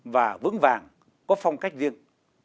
và vững vàng có phong cách riêng